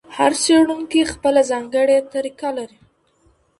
هر څېړونکی خپله ځانګړې طریقه لري.